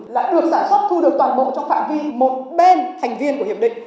lại được sản xuất thu được toàn bộ trong phạm vi một bên thành viên của hiệp định